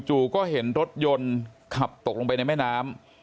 ก็เห็นรถยนต์ขับตกลงไปในแม่น้ำ